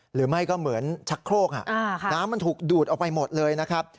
หรือไม่ก็เหมือนชักโครกน้ำมันถูกดูดออกไปหมดเลยนะครับ